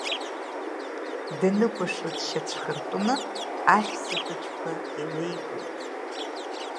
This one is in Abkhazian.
Даныкәашо дшьацәхыртәны, Аҳәса хәыҷқәа еилеигоит.